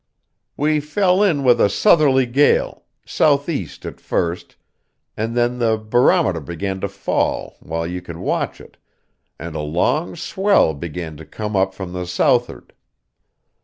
We fell in with a southerly gale, south east at first; and then the barometer began to fall while you could watch it, and a long swell began to come up from the south'ard.